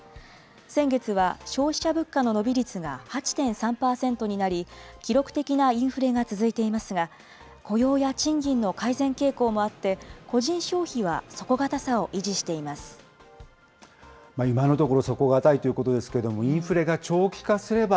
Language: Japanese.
先月は消費者物価の伸び率が８．３％になり、記録的なインフレが続いていますが、雇用や賃金の改善傾向もあって、個人消費は底堅さを維持していま今のところ、底堅いということですけれども、インフレが長期化すれば、